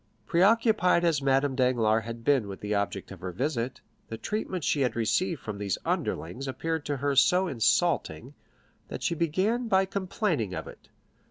Preoccupied as Madame Danglars had been with the object of her visit, the treatment she had received from these underlings appeared to her so insulting, that she began by complaining of it.